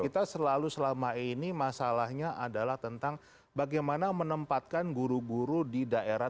kita selalu selama ini masalahnya adalah tentang bagaimana menempatkan guru guru di daerah